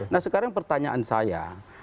nah sekarang pertanyaan saya